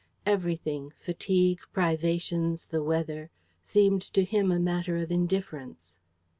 Everything fatigue, privations, the weather seemed to him a matter of indifference.